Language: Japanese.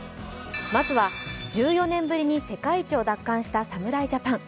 まずは１４年ぶりに世界一を奪還した侍ジャパン。